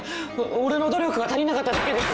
俺の努力が足りなかっただけです。